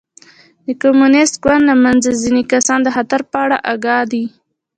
د کمونېست ګوند له منځه ځیني کسان د خطر په اړه اګاه دي.